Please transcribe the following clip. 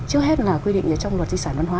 trước hết là quy định trong luật di sản văn hóa